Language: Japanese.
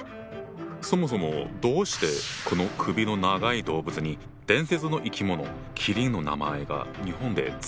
そもそもどうしてこの首の長い動物に伝説の生き物麒麟の名前が日本で付けられたんだ？